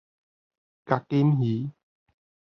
角金魚